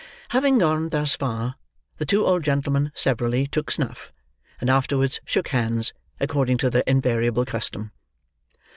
Having gone thus far, the two old gentlemen severally took snuff, and afterwards shook hands, according to their invariable custom.